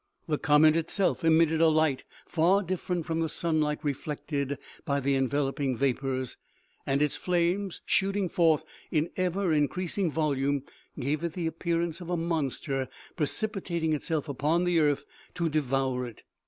The comet itself emitted a light far different from the sunlight reflected by the enveloping vapors ; and its flames, shoot ing forth in ever increasing volume, gave it the appearance of a monster, precipitating itself upon the earth to devour it.